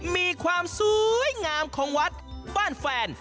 มีความสวยงามของวัดบ้านแฟน